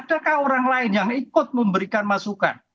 adakah orang lain yang ikut memberikan masukan